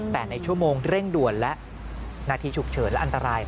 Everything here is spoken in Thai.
แต่ในชั่วโมงเร่งด่วนและนาทีฉุกเฉินและอันตราย